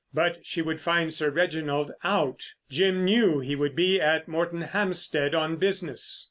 But she would find Sir Reginald out. Jim knew he would be at Moretonhampstead on business.